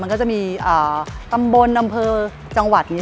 มันก็จะมีตำบลดำเภอจังหวัด